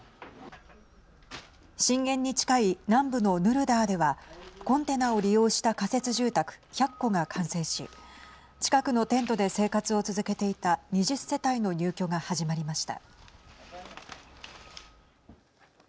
震源に近い南部のヌルダーではコンテナを利用した仮設住宅１００戸が完成し近くのテントで生活を続けていた２０世帯の入居が始まりました。